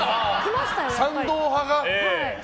賛同派が。